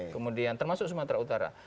kemudian termasuk sumatera utara